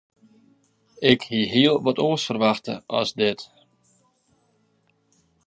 Ik hie hiel wat oars ferwachte as dit.